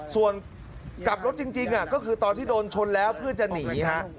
ส่วนกลับรถจริงก็คือตอนที่โดนชนแล้วเพื่อจะหนีฮะ